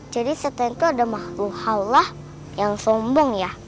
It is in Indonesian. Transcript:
jadi satenya itu ada mahluk allah yang sombong ya